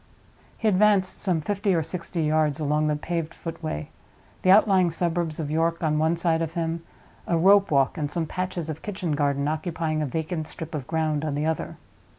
He advanced some fifty or sixty yards along the paved footway; the outlying suburbs of York on one side of him, a rope walk and some patches of kitchen garden occupying a vacant strip of ground on the other.